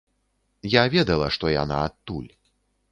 Я ведала, што яна адтуль.